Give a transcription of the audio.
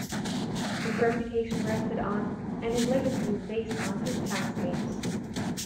His reputation rested on, and his legacy is based on, his townscapes.